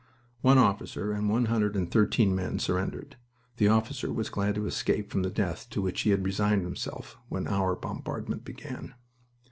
One officer and one hundred and thirteen men surrendered. The officer was glad to escape from the death to which he had resigned himself when our bombardment began.